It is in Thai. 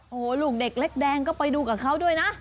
โอ้โหลูกเด็กเล็กแดงก็ไปดูกับเขาด้วยนะ